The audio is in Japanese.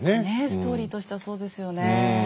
ストーリーとしてはそうですよね。